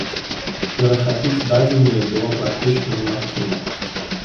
Перахапіць дадзеныя было практычна немагчыма.